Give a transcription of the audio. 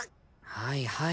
はいはい。